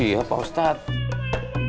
iya pak ustadz